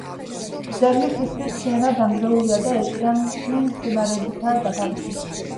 ძეგლი თითქმის მთლიანად დანგრეულია და ეკლიანი მცენარეებითაა დაფარული.